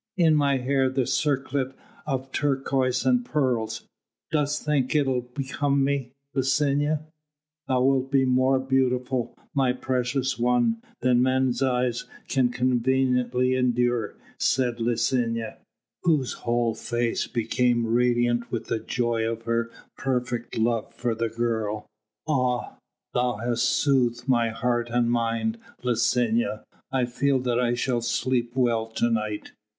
In my hair the circlet of turquoise and pearls ... dost think it'll become me, Licinia?" "Thou wilt be more beautiful, my precious one, than man's eyes can conveniently endure," said Licinia, whose whole face became radiant with the joy of her perfect love for the girl. "Ah! thou hast soothed my heart and mind, Licinia. I feel that I shall sleep well to night."